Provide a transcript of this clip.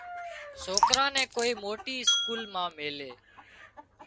سوڪرا نين ڪوئي موٽي اسڪول مان ميلي